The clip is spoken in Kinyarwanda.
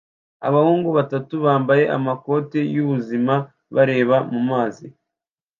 Abahungu batatu bambaye amakoti y'ubuzima bareba mumazi